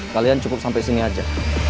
kalian cukup sampai sini aja